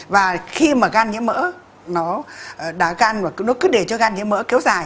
và khi mà gan nhiễm mỡ nó cứ để cho gan nhiễm mỡ kéo dài